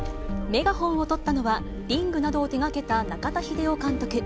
メガホンを執ったのは、リングなどを手がけた中田秀夫監督。